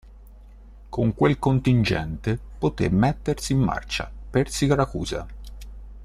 Con quel contingente poté mettersi in marcia per Siracusa.